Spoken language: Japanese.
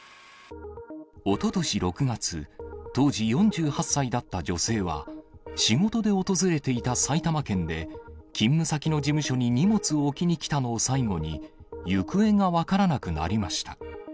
おととし６月、当時４８歳だった女性は、仕事で訪れていた埼玉県で、勤務先の事務所に荷物を置きに来たのを最後に、行方が分からなくなりました。